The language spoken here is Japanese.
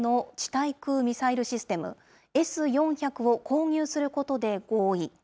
対空ミサイルシステム、Ｓ４００を購入することで合意。